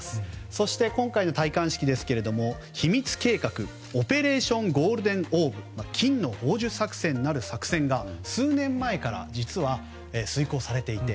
そして、今回の戴冠式ですが秘密計画オペレーション・ゴールデン・オーブ金の宝珠作戦なる作戦が数年前から実は、遂行されていて。